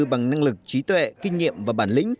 bằng năng lực trí tuệ kinh nghiệm và bản lĩnh